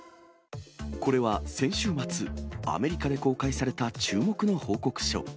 これは先週末、アメリカで公開された注目の報告書。